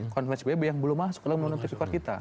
konfes wb yang belum masuk ke dalam undang undang tp core kita